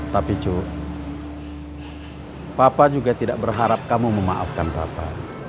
tapi cu papa juga tidak berharap kamu memaafkan papa